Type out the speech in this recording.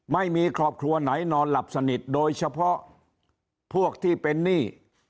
ไม่มีครอบครัวไหนนอนหลับสนิทโดยเฉพาะพวกที่เป็นหนี้